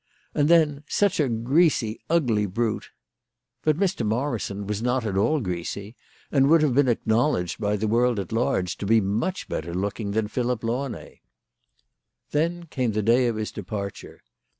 And then such a greasy, ugly brute ! But Mr. Morrison was not at all greasy, and would have been acknowledged by the world at large to be much better looking than Philip Launay. Then came the day of his departure.